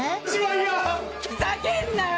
ふざけんなよ！